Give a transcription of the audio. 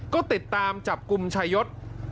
ก็ติดตามจับกลุ่มชายศ